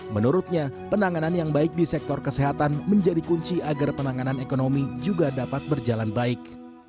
menurutnya penanganan yang baik di sektor kesehatan menjadi kunci agar penanganan ekonomi juga dapat berjalan baik